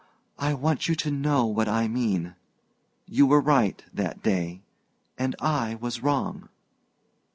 "I want you to know what I mean. You were right that day and I was wrong."